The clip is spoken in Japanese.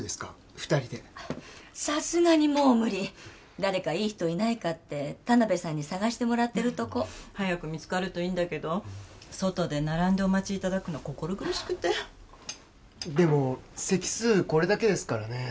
２人でさすがにもう無理誰かいい人いないかって田辺さんに探してもらってるとこ早く見つかるといいんだけど外で並んでお待ちいただくの心苦しくてでも席数これだけですからね